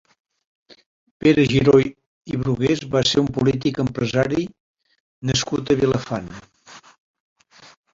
Pere Giró i Brugués va ser un polític i empresari nascut a Vilafant.